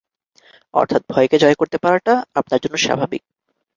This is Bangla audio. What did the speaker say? অর্থাৎ ভয়কে জয় করতে পারাটা আপনার জন্য স্বাভাবিক।